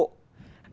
đánh giá không đúng